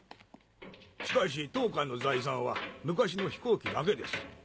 しかし当館の財産は昔の飛行機だけです。